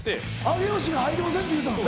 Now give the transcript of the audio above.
上尾市が「入りません」って言うたの。